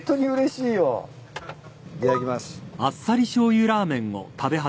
いただきます。